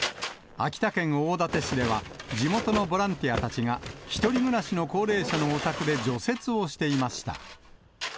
秋田県大館市では、地元のボランティアたちが１人暮らしの高齢者のお宅で除雪をしていました。